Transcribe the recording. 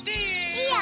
いいよ。